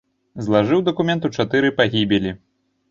Злажыў дакумент у чатыры пагібелі.